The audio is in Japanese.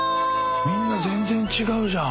みんな全然違うじゃん！